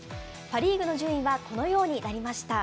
パ・リーグの順位はこのようになりました。